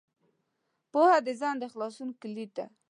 پوهه د ذهن د خلاصون کلید دی.